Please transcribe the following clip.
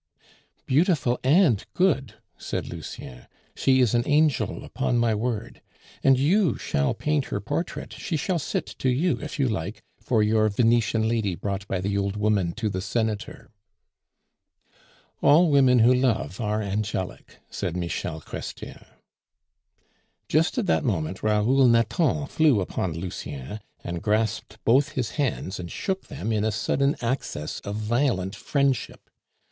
"Beautiful and good," said Lucien; "she is an angel, upon my word. And you shall paint her portrait; she shall sit to you if you like for your Venetian lady brought by the old woman to the senator." "All women who love are angelic," said Michel Chrestien. Just at that moment Raoul Nathan flew upon Lucien, and grasped both his hands and shook them in a sudden access of violent friendship.